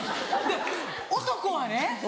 で男はね